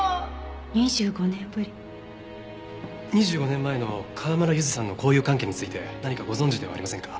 ２５年前の川村ゆずさんの交友関係について何かご存じではありませんか？